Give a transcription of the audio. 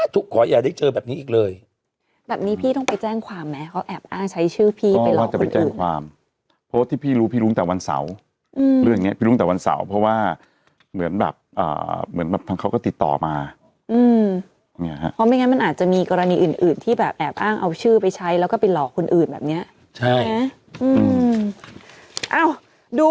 ทำงานด้วยความทิ้งใจมาตลอด